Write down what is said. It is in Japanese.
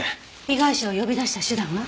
被害者を呼び出した手段は？